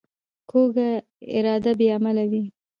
کوږه اراده بې عمله وي